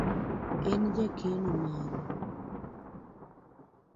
En jakeno maru.